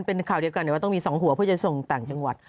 เป็นข่าวเดียวกันแต่ว่าต้องมี๒หัวเพื่อจะส่งต่างจังหวัด